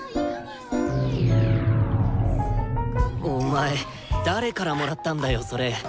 お前誰からもらったんだよそれ。